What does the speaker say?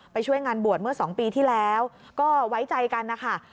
ช่วยงานบวชเมื่อ๒ปีที่แล้วก็ไว้ใจกันนะคะ